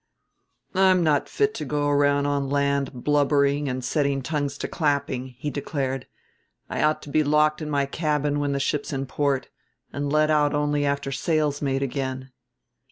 "I'm not fit to go around on land blubbering and setting tongues to clapping," he declared. "I ought to be locked in my cabin when the ship's in port, and let out only after sail's made again."